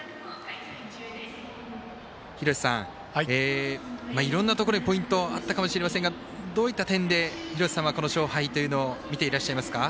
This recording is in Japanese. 廣瀬さん、いろんなところにポイントあったかもしれませんがどういった点で廣瀬さんはこの勝敗を見ていらっしゃいますか。